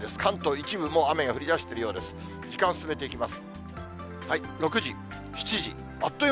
一部、もう雨が降りだしてるようです。